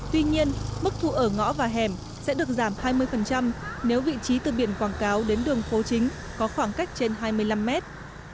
tuy nhiên mức thu ở ngõ và hẻm sẽ được giảm hai mươi nếu vị trí từ biển quảng cáo đến đường phố chính có khoảng cách trên hai mươi năm mét